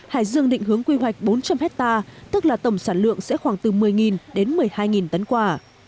hải dương định hướng quy hoạch bốn trăm linh hectare tức là tổng sản lượng sẽ khoảng từ một mươi đến một mươi hai tấn quả